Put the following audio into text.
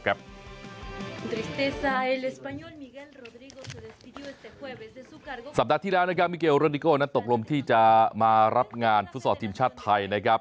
สัปดาห์ที่แล้วนะครับมิเกลโรดิโก้นั้นตกลงที่จะมารับงานฟุตซอลทีมชาติไทยนะครับ